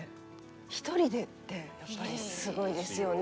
一人でってやっぱりすごいですよね。